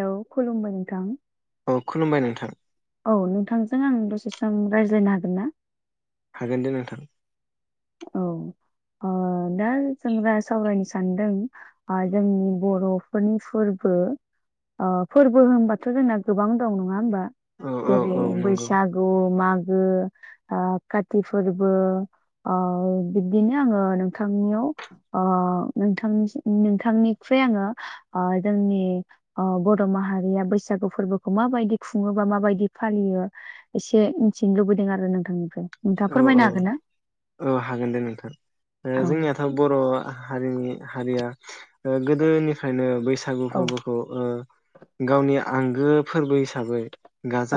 Hello खुलुमबाय नोंथां। औ खुलुमबाय नोंथां। औ नोंथांजों आं दसे सम रायज्लायनो हागोन ना? हागोन दे नोंथां। औ ओ दा जों रा सावरायनस सानदों ओ जोंनि बर'फोरनि फोरबो ओ फोरबो होनबाथ' जोंना गोबां दं नङा होमबा। औ औ जेरै औ नंगौ बैसागु मा गो आ काति फोरबो। ओ बिब्दिनो आङो नोंथांनियाव ओ नोंथांनिसि नोंथांनिख्रुइ आङो ओ जोंनि ओ बर' माहारिया बैसागु फोरबोखौ माबायदि खुङो बा माबायदि फालियो एसे मिथिनो लुबैदों आरो नोंथांनिफ्राय। नोंथाङा फोरमायनो हागोन ना। ओ हागोन दे नोंथां ओ औ जोंनियाथ' बर' हारिनि हारिया ओ गोदोनिफ्रायनो बैस सागु औ फोरबोखौ ओ गावनि। आंगो फोरबो हिसाबै।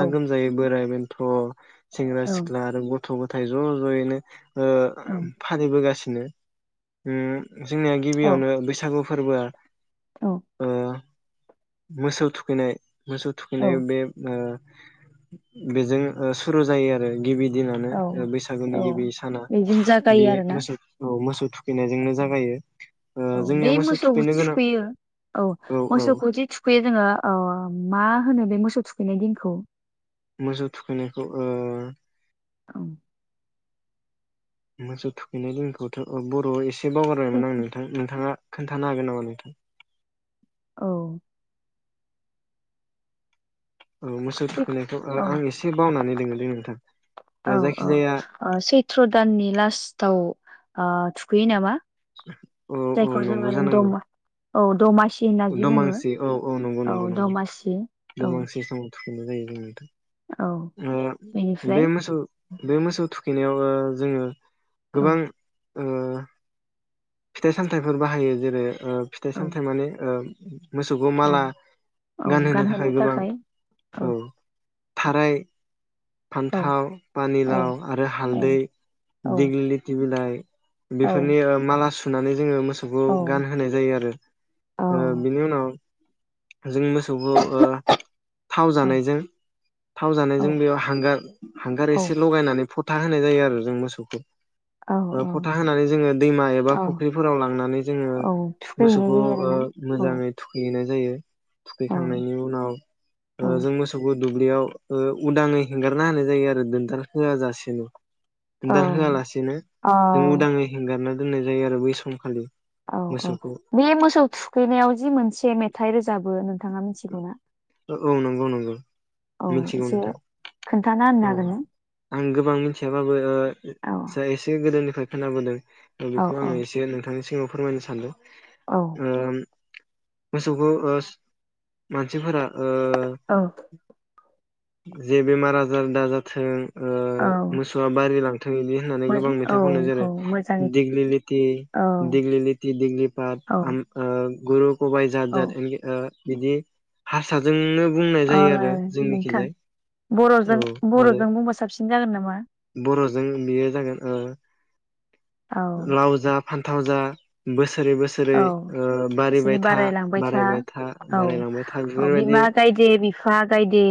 औ गोमजायै बोराय थ। सेंग्रा सिख्ला आरो ग थ गथाय ज जयैनो। ओ ओम फालिबोगासि नो उमह। जोंनिया गिबियावनो बैसागु। फोरबोआ। औ ओ मोसौ थुखैनाय। मोसौ औ थुखैनायाव बे ओ बेजों ओ सुरु जायो आरो गिबि। दिनानो औ औ बैसागोनि गिबि साना बेजों जागायो बे आरोना मोसौ औ मोसौ थुखैनायजोंनो औ जागायो ओ औ बे जोंनिया मोसौ थुखैनो गोनां थुखैयो औ औ। खैयो जोङो ओ मा होनो बे मोसौ थुखैनाय दिनखौ। मोसौ थुखैनायखो ओ औ। मोसौ थुखैनाय दिनखौथ ओ बर एसे एसे बावगारबायमोन आं नोंथां नोंथाङा खोन्थानो हागोन नामा नोंथां। औ। औ मोसौ [unintelligible] थुखैनायखौ ओ औ आं एसे बावनानै दोङो दै नोंथां ओ औ औ जायखिजाया सैथ्र दाननि लास्टआव ओ थुखैयो नामा औ औ जायखौ नंगौ जोङो जानांगौ दमा औ दमासि होनना जि बुङो दमांसि औ औ नंगौ नंगौ नंगौ औ दमांसि समाव थु औ [unintelligible] ओ बे बेनिफ्राय मोसौ बे मोसौ थुखैनायाव जोङो औ गोबां ओ फिथाइ सामथाइफोर बाहायो जेरै- ओ फिथाइ औ सामथाइ माने ओ मोसौखौ औ माला गानहोनो थाखाय गोबां औ थाराय औ फान्थाव औ पानिलाव आरो औ हालदै औ दिग्लिलिथि बिलाइ औ बेफोरनि ओ माला सु नानै जोङो मो सौखौ औ गानहोनाय जायो आरो। ओ बिनि उनाव जों मोसौखौ ओ थाव औ जानायजों थाव जानायजों औ बेयाव हांगार हांगार औ एसे लगायनानै फथ था होनाय जायो आरो जों मोसौखौ। औ ओ औ फथा होनानै जोङो दैमा एबा औ फुख्रिफोराव लांनानै जोङो औ थुखैहैनाय मोसौखौ जायो ओ आरोना औ मोजाङै थुखैहैनाय जायो। औ थुखैखांनायनि उनाव औ ओ जों मोसौखौ दुब्लियाव ओ उदाङै होंंगारना होनाय जायो आरो दोनदार होआ जासेनो। होनदार औ होआलासेनो अ जों उदाङै हेंगारना दोननाय जायो आरो बै समखालि। औ औ मोसौखौ बे मोसौ थुखैनायाव जि मोनसे मेथाइ रोजाबो नों ओ औ नोंगौ नोंगौ औ मिनथिगौ एसे नोंथां खोन्थाना होनो औ हागोन ना आं गोबां मिथियाबाबो ओ औ एसे गोदोनिफ्राय खोनाबोदों दा औ बेखौ औ आङो एसे नोंथांनि सिगाङाव फोरमायनो सानदों। औ ओम मोसौखौ ओस मानसिफोरा औ। जे बेमार आजार दाजाथों ओ औ मोसौआ बारि लां थैइदि होननानै गोबां मोज- औ मेथाइ खननाय जेरै औ मोजाङै दिग्लि लिथि औ दिग्लि लिथि दिग्लि पाट औ आम ओ गुरुख खबाइ जाद औ जाद एनखे ओ बिदि हारसाजोंनो बुंनाय ओ जायो आरो नोंथां जोंनिखिजाय बर'जों औ आरो बर'जों बुंबा साबसिन जागोन नामा बर'जों बियो जागोन ओ औ लावजा फान्थाव जा बोस औ बिसोरनि बारायलांबाय था बारायबाय औ बारायलांबाय था औ बेफोरबायदि बिमा गायदे बिफा गायदे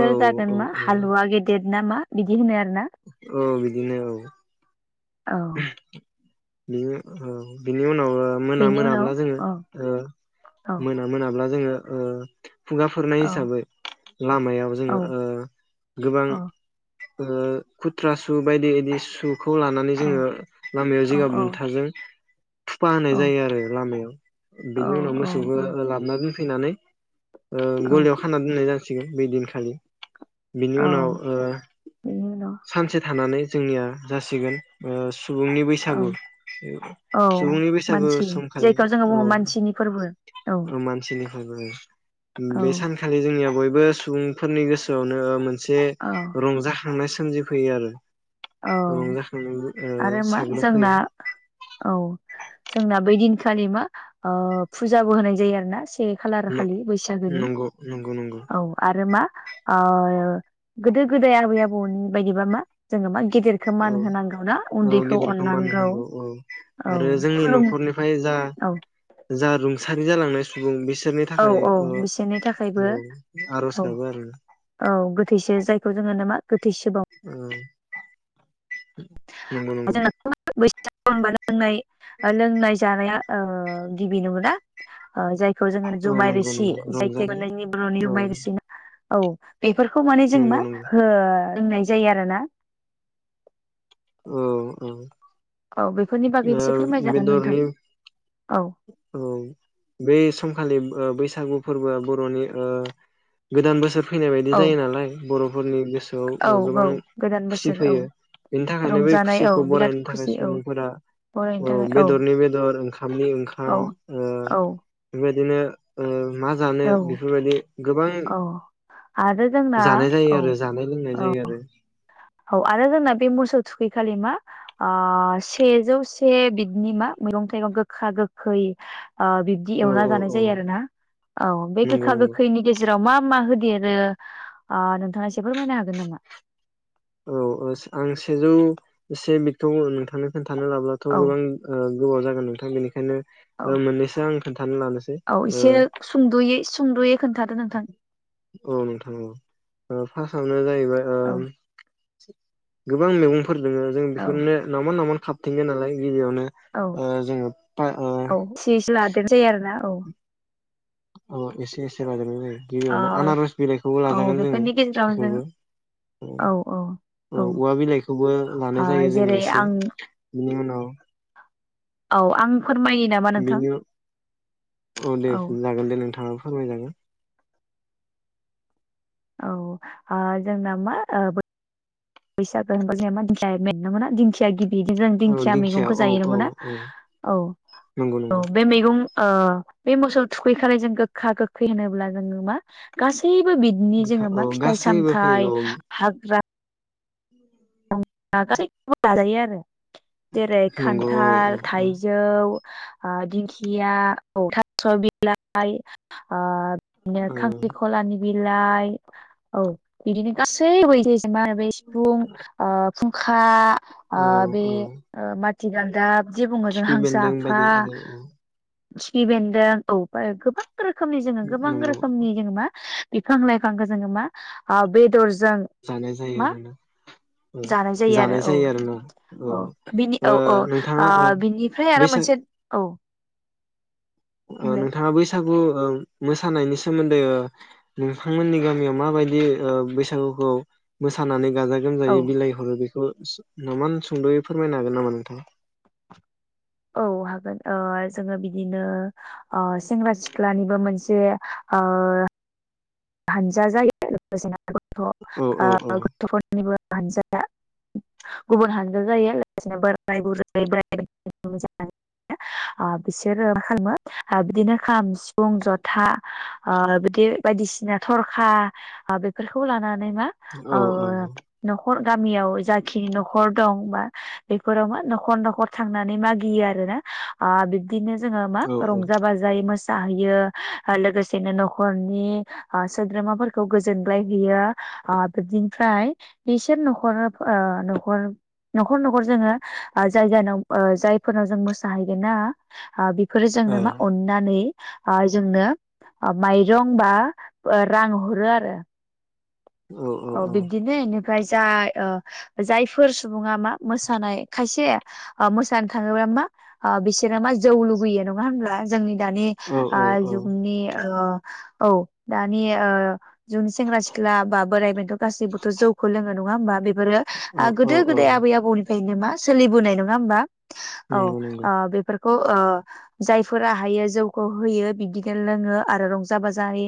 औ औ जागोन मा औ हालुवा गेदेद नामा बिदि होनो आर औ बिदिनो औ। औ बि औ बिनि उनाव मोना बेनि मोनाब्ला उनाव जोङो औ ओ औ मोना मोना ब्ला जोङो ओ खुगाफोरनाय औ हिसाबै लामायाव जोङो औ ओ गोबां औ ओ खुथ्रा सु बायदि बायदि सुखौ लाना औ जोङो लामायाव जिगाब औ औ बुन्थाजों थुफा होनाय औ जायो आरो लामायाव बेनि उनाव औ मोसौबो औ लाबना दोन फैनानै ओ औ गलियाव खान दोननाय जा सिगोन बैदिनखालि। बिनि उनाव औ ओ बेनि उनाव सानसे थानानै जोंनिया जासिगोन ओ सुबुंनि बैसागु औ औ सुबुंनि बैसागु मानसि समखालि जायखौ जोङो बुङो मानसिनि फोरबो औ औ मानसिनि [unintelligible] औ बे सानखालि जोंनिया बय बो सुबुंफोरनि गोसोआवनो मोन से औ रंजा खांनाय सोमजिफैयो आरो औ रंजाखांनाय ओ आरो मा जोंना साग्लोबफैयो औ जोंना बै दिनखालि मा ओ फुजाबो होनाय जायो आरो ना से खालार खालि बैसागोनि नंगौ नंगौ नंगौ औ आरो मा गोदो गोदाय आबै आबौनि बायदिबा मा जोंङो मा गेदेरखौ मान औ होनांगौ ना औ उन्दैखौ गेदेरखौ मान अननांगौ होनांगौ औ औ आरो जोंनि खुलुम नखरनिफ्राय जा औ जा रुंसारि जालांनाय सुबुं बिस औ औ बिसोरनि थाखायबो आर'ज औ गाबो आरो औ गोथैसो जायखौ होनो मा गोथैसोब औ नंगौ नंगौ जोंना [unintelligible] लोंनाय लोंनाय जानाया ओ गिबि नंगौना? जायखौ जोंङो औ जुमाय नंगौ रिसि नंगौ जि आइ टेग रंजानाय मोननायनि बरनि औ जुमाय रिसि ना औ बेफोरखौ माने जों नंगौ मा नंगौ हो लोंनाय जायो आरो ना औ औ औ बेफोरनि बागै एसे फोरमायजागोन नोंथां बेदरनि औ औ बेै समखालि बो ओ बै सागु फोरबोआ बरनि ओ गोदान बोसोर फैनाय बायदि औ जायो नालाय बर फोरनि गोसोआव औ ओ गोबां औ गोदान खुसि बोसोर औ फैयो। बेनि थाखायनो बै रंजानाय औ खुसिखौ बिराद बरायनो थाखाय खुसि औ सुबुंफोरा फरायनो ओ थाखाय औ बेदरनि बेदर ओं खामनि खाम औ ओ औ बेबाय दिनो ओ मा जानो औ बेफोरबायदि गोबां औ आरो जोंना जानाय जायो औ आरो जानाय लोंनाय जायो आरो। औ आरो जोंना बे मोसौ थुखैखालि मा ओ सेजौ से बिदनि मा मैगं थाइगं गोखा गोखै ओ बिब्दि औ एवना औ जानाय औ जायो आरो ना औ बे नंगौ गोखा नंगौ गोखैनि गेजे राव मा मा होदेरो ओ नोंथाङा एसे फोरमायनो हागोन नामा? औ ओ आं सेजौ से बिदखौ नोंथांनो खोन्था नो लाब्लाथ औ गोबां ओ गोबाव जागोन नोंथां बेनिखायनो औ ओ मोननैसो आं खोन्थानो लानोसै औ ओ एसे सुंदयै सुंदयै खोन्थादो नोंथां औ नोंथां औ। ओ फासआवनो जायै बाय औ उम गोबां मैगं फोर दोङो जों औ बेफोरनो नाउमान नाउमान खाबथिङो नालाय गिबिआवनो औ ओ जोङो फा ओ औ एसे एसे लादेर जायो आरोना औ औ एसे एसे लाजोबनाय जायो। ओ गिबियावनो आनारस बिलाइखौबो औ लाजागोन जोङो बेफोरनि गेजेराव जों बेखौबो औ औ औवा बिलाइखौबो ओ लानाय जायो जोङो जेरै एसे आं बिनि उनाव औ आं फोरमायो नामा नोंथां बेनि औ दे जागोन दे नोंथाङा फोरमायजागोन औ ओ जोंना मा ओ बो फैसाागोन होना जा दिख मोन न मोना दिंखया गिद बिदि जों औ दिंखिया मैगंखौ औ जायो औ नंगौना औ औ नंगौ औ नंगौ बे मैगं ओ बे मोसौ थुखैखालि जों गोखा गोखै होनोब्ला जोंङो मा गासै गासैबो बिदिनो गोखा जोंङो औ मा फिथाइ गासैबो सामथाइ फैयो औ हाग्रा औ गासैखौबो जाजायो आरो जेरै नंगौ औ खान्थाल औ थाइजौ ओ दिंखिया औ थास' बिलाइ ओ बिदिनो औ खांख्रिखलानि बिलाइ औ बिदिनो गासैबो [unintelligible] सिफुं ओ फुंखा ओ औ बे औ ओ माथिगालदाब जे बुंङो जों खिफि हांसो बेन्दों आफा बायदि आरि औ खिफि बेन्दों औ गोबां रोखोमनि जोङो गोबां नंगौ रोखोमनि जोङो मा बिफां लाइफांखौ जोङो मा ओ बेदर जानाय जायो आरो ना। जानाय जायो आरो औ औ बिनि औ औ ओ बिनिफ्राय आरो बैसाग मोनसे औ। औ बुंलाय नोंथाङा बैसागु औ मोसानायनि सोमोन्दै ओ नोंथांमोननि गामियाव माबायदि ओ बैसागुखौ मोसानानै गाजा गोमजायै औ बिलाइ हरो बेखौ। नामान सुंद'यै फोरमायनो हागोन नामा नोंथां? औ‌, हागोन जोंङो बिदिनो सेंग्रा सिख्लानिबो मोनसे हानजा जायो‌ लोगोसेनो [unintelligible] गथ औ औ औ [unintelligible] गथ'फोरनिबो हानजाया गुबुन हानजा जायो लोगोसेनो बोराय [unintelligible] बुरै बोराय हानजा बिसोरो मा? खालामो बिदिनो खाम सिफुं जथा बिदि बायदिसिना थरखा बेफोरखौ लानानै मा आ औ [unintelligible] नखर गामियाव जाखिनि न'खर दं, बा बेफोराव मा न'खर न'खर थांनानै मागियो आरो ना। अ बिदिनो जोङो मा औ औ रंजा बाजायै मोसायो। जाहैयो लोगोसेनो न'खरनि सोद्रोमाफोरखौ गोजोनग्लायहैयो, बिदिनिफ्राय बिसोर न'खर नखर न'खर जोङो जाय जाय जायफोरनाव जोंङो मोसाहैगोन ना। बेफोरो औ जोंनो मा अननानै आ जोंनो माइरं बा रां हरो आरो। औ बिबदिनो इन फ्राय जाय ओ जायफोर सुबुङा मा मोसानाय खायसे, ओ मोसानो थाङोबा मा ओ बिसोरो मा जौ लुगैयो नङा होनब्ला? जोंनि दानि औ आ औ जुगनि ओ औ दानि ओ जुगनि सेंग्रा सिख्ला।। बोरायबेनथ' गासैबोथ' जौखौ लोङो नङा होमबा बे फोरो औ आ औ गोदो औ गोदाय आबै आबौनि फ्रायनो मा सोलिबोनाय नङा होमबा? औ नंगौ नंगौ आ बेफोर खौ ओ जायफोरा हायो जौखौ होयो बिब्दिनो लोङो आरो रंजा बाजायै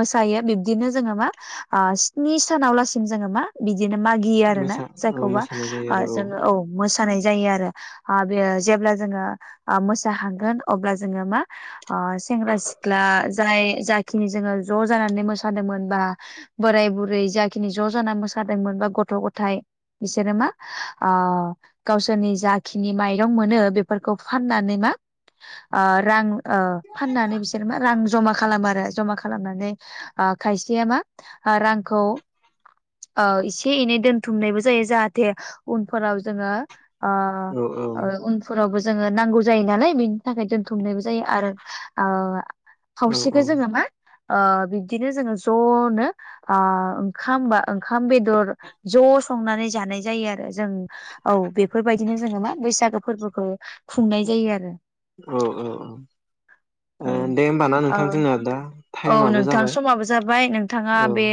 मोसायो बिब्दिनो जोङो मा? आ स्नी सानाव लासिम जोङो मा? बि दिनो मागियो आरो ना। मोसा औ जायखौबा मोसानाय जायो ओ आरो जोङो औ मोस सानाय जायो आरो आ बेयो जेब्ला जोङो आ मोसाहांगोन अब्ला, जोङो मा? अ सेेंग्रा सिख्ला। जाय जाखिनि जोङो ज' जानानै मोसादोंमोन बा बोराय बु रै जाखिनि ज'जाना मोसादोंमोन बा गथ' गथाइ बिसोरो मा? आ गावसोरनि जाखिनि माइरं मोनो बेफोरखौ फाननानै मा? आ रां ओ, फाननानै बिसोर मा? रां जमा खालामो आरो। जमा खालामनानै आ खायसेया मा? आ रां खौ ओ एसे एनै दोनथुमनायबो जायो जाहाथे उनफोराव जोङो आ औ ओ औ उनफोरावबो जोङो नांगौ जायो नालाय बेनि थाखाय दोनथुमनायबो जायो आरो। ओ औ खावसेखो जोङो मा ओ बिब्दिनो जोङो ज'नो आ ओंखाम बा ओंखाम बेदर ज' संनानै जानाय जायो आरो जों औ बेफोरबायदिनो जोङो मा बैसागो फोरबोखो खुंनाय जायो आरो औ औ औ औ दे होमबा ना ओ नोंथां जोंना दा औ टाइमाबो नोंथां जाबाय समाबो जाबाय नोंथाङा औ बे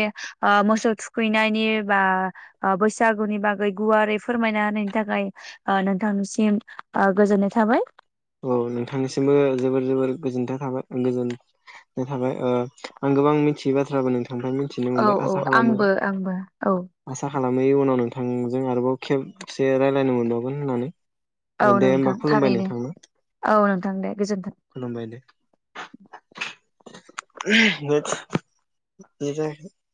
ओ मोसौ थुखैनायनि बा आ बैसागुनि बागै गुवारै फोरमायना होनायनि थाखाय ओ नोंथांनिसिम ओ गोजोननाय थाबाय। औ नोंथांनिसिमबो जोबोर जोबोर गोजोनथ थाबाय गोजोननाय थाबाय आं गोबां मिथियै बाथ्राबो नों औ औ आंबो आंबो औ खालामै उनाव नोंथांजों आरोबाव खेबसे रायलायनो मोनबावगोन होननानै औ ए दे होमबा नोंथां खुलुमबाय थारैनो नोंथांनो औ नोंथां दे गोजोन खुलुमबाय दे [unintelligible]